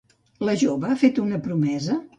La jove ha fet una promesa?